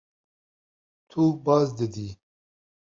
Tu baz didî.